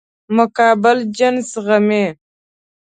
مقابل جنس زغمي.